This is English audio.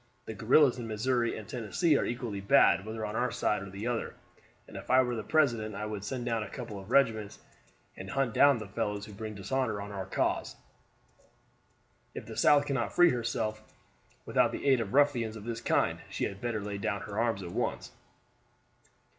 The guerrillas in Missouri and Tennessee are equally bad whether on our side or the other, and if I were the president I would send down a couple of regiments, and hunt down the fellows who bring dishonor on our cause. If the South cannot free herself without the aid of ruffians of this kind she had better lay down her arms at once."